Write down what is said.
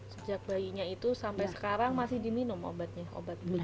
sejak bayinya itu sampai sekarang masih diminum obatnya